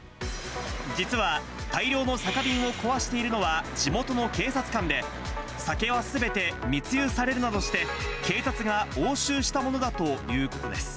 実は大量の酒瓶を壊しているのは、地元の警察官で、酒はすべて密輸されるなどして、警察が押収したものだということです。